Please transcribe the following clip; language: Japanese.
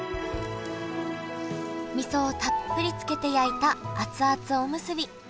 みそをたっぷりつけて焼いた熱々おむすび。